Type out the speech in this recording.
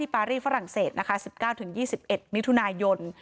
ที่ปารีฝรั่งเศส๑๙๒๑มิถุนายน